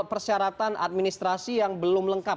persyaratan administrasi yang belum lengkap